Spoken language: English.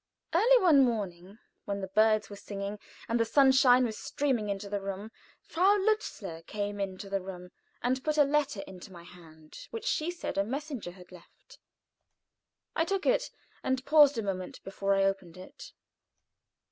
Early one morning, when the birds were singing and the sunshine streaming into the room, Frau Lutzler came into the room and put a letter into my hand, which she said a messenger had left. I took it, and paused a moment before I opened it.